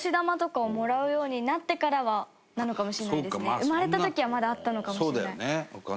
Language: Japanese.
生まれた時はまだあったのかもしれない。